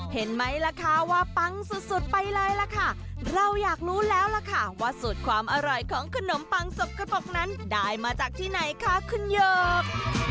เห็นไหมล่ะคะว่าปังสุดสุดไปเลยล่ะค่ะเราอยากรู้แล้วล่ะค่ะว่าสูตรความอร่อยของขนมปังสดกระปกนั้นได้มาจากที่ไหนคะคุณหยก